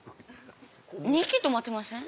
２匹とまってません？